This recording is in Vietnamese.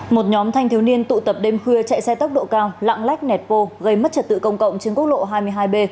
một nhóm thanh thiếu niên tụ tập đêm khuya chạy xe tốc độ cao lạng lách nẹt vô gây mất trật tự công cộng trên quốc lộ hai mươi hai b